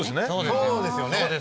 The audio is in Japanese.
そうですよね。